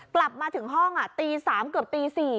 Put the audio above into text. กลับมาถึงห้องตี๓เกือบตี๔